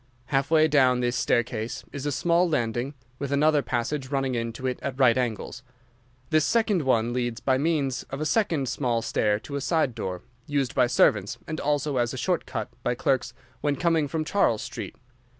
Half way down this staircase is a small landing, with another passage running into it at right angles. This second one leads by means of a second small stair to a side door, used by servants, and also as a short cut by clerks when coming from Charles Street.